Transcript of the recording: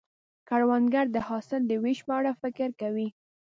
کروندګر د حاصل د ویش په اړه فکر کوي